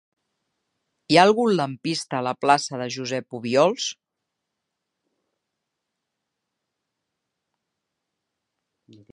Hi ha algun lampista a la plaça de Josep Obiols?